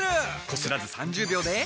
こすらず３０秒で。